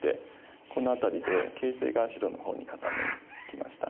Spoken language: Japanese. この辺りで形勢が白のほうに傾きました。